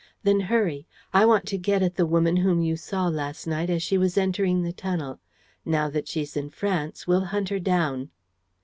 "Then hurry. I want to get at the woman whom you saw last night as she was entering the tunnel. Now that she's in France, we'll hunt her down."